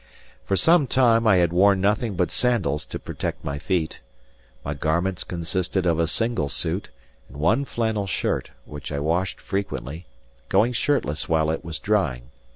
For some time I had worn nothing but sandals to protect my feet; my garments consisted of a single suit, and one flannel shirt, which I washed frequently, going shirtless while it was drying.